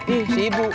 ih si ibu